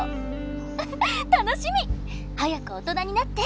ウフッ楽しみ！早く大人になって。